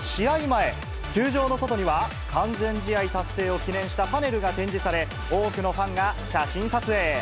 前、球場の外には、完全試合達成を記念したパネルが展示され、多くのファンが写真撮影。